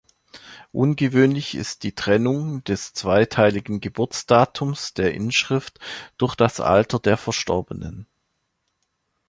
Ungewöhnlich ist die Trennung des zweiteiligen Geburtsdatums der Inschrift durch das Alter der Verstorbenen.